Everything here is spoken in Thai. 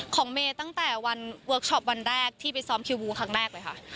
เมย์ตั้งแต่วันเวิร์คชอปวันแรกที่ไปซ้อมคิววูครั้งแรกเลยค่ะ